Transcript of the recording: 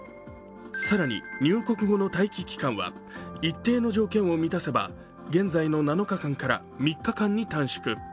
更に入国後の待機期間は一定の条件を満たせば現在の７日間から３日間に短縮。